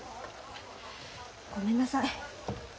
ごめんなさい。